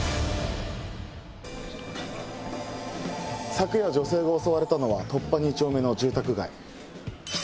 ⁉昨夜女性が襲われたのは突破２丁目の住宅街。